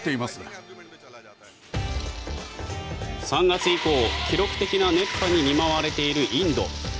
３月以降、記録的な熱波に見舞われているインド。